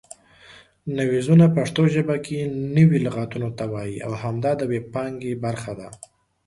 نویزونه پښتو ژبه کې نوي لغتونو ته وایي او همدا د وییپانګې برخه ده